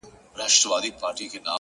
o ژوند در ډالۍ دى تاته،